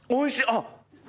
あっ！